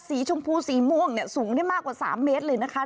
สีชมพูสีม่วงเนี่ยสูงได้มากกว่า๓เมตรเลยนะคะ